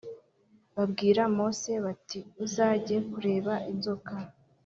Babwira Mose bati uzajye kureba inzoka